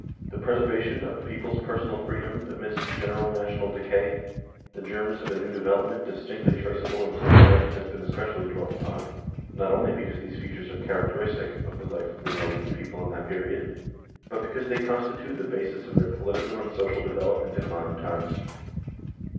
The preservation of the people's per sonal freedom amidst general national decay, the germs of a new development distinctly traceable in social life has been especially dwelt upon, not only because these features are characteristic of the life of the Norwegian people in that period, but because they constitute the basis of their political and social development in modern times.